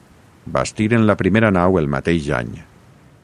Bastiren la primera nau el mateix any.